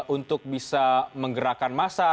untuk bisa menggerakkan massa